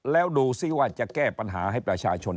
แล้วดูซิว่าจะแก้ปัญหาให้ประชาชน